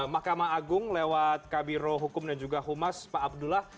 mahkamah agung lewat kabiro hukum dan juga humas pak abdullah